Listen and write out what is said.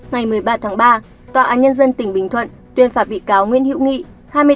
ngày một mươi ba tháng ba tòa án nhân dân tỉnh bình thuận tuyên phạt bị cáo nguyễn hữu nghị